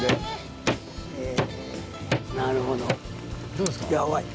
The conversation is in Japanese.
どうですか？